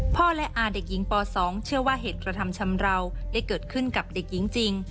และอาเด็กหญิงป๒เชื่อว่าเหตุกระทำชำราวได้เกิดขึ้นกับเด็กหญิงจริง